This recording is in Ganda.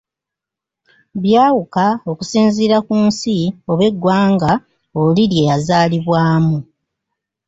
Byawuka okusinziira ku nsi oba eggwanga oli lye yazaalibwamu.